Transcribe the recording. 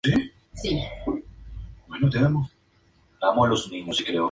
Su plumaje es azul-negro con brillos metálicos.